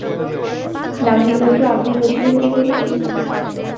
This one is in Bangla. দামিনী কহিল, আপনি বুঝিবেন কী করিয়া?